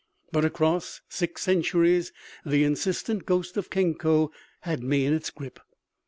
But across six centuries the insistent ghost of Kenko had me in its grip.